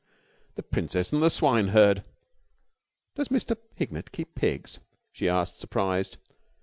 The Princess and the Swineherd!" "Does Mr. Hignett keep pigs?" she asked, surprised.